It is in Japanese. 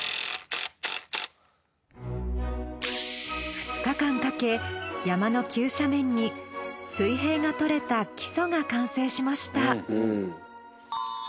２日間かけ山の急斜面に水平が取れた基礎が完成しました。